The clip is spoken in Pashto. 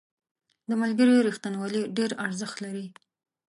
• د ملګري رښتینولي ډېر ارزښت لري.